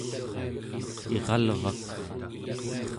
iralvak